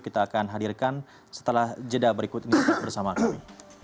kita akan hadirkan setelah jeda berikut bersama kami